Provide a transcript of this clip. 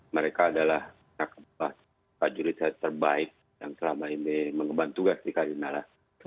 mereka adalah anak anak pak juridik terbaik yang selama ini mengembang tugas di kri nanggala